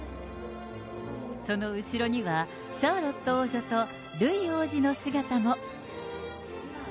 その後ろには、シャーロット王女とルイ王子の姿も。